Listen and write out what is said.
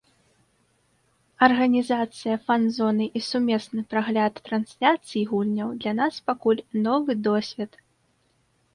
Арганізацыя фан-зоны і сумесны прагляд трансляцый гульняў для нас пакуль новы досвед.